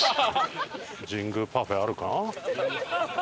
神宮パフェあるか？